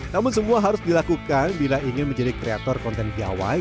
namun semua harus dilakukan bila ingin menjadi kreator konten piawai